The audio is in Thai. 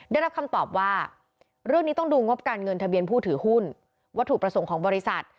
ได้รับคำตอบว่าเรื่องนี้ต้องดูงบการเงินทะเบียนผู้ถือหุ้นวัตถุประสงค์ของบริษัท